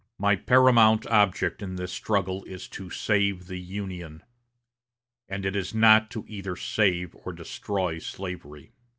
My paramount object in this struggle is to save the Union, and is not either to save or to destroy slavery.